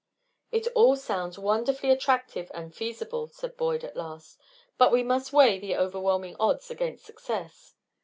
"It all sounds wonderfully attractive and feasible," said Boyd, at last; "but we must weigh the overwhelming odds against success.